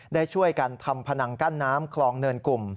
ได้ช่วยกันทำพนังกั้นน้ำคลองเนินกลุ่ม